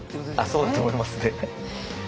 そうだと思いますね。